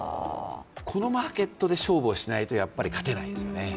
このマーケットで勝負をしないとやっぱり勝てないですよね。